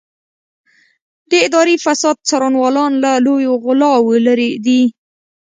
د اداري فساد څارنوالان له لویو غلاوو لېرې دي.